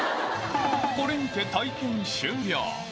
これにて体験終了。